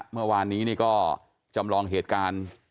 เมื่อวานนี้ก็จำลองเหตุการณ์